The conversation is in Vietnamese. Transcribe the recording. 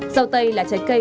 dâu tây là trái cây